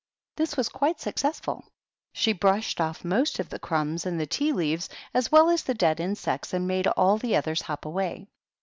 This was quite successful ; she brushed off most of the crumbs and tea leaves, as well as the dead insects, and made all the others hop away.